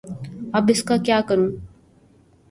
اب اس کا کیا کروں؟